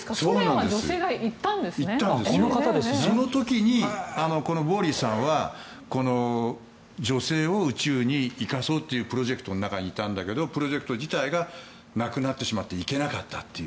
その時にウォーリーさんはこの女性を宇宙に行かそうというプロジェクトの中にいたんだけどプロジェクト自体がなくなってしまって行けなかったという。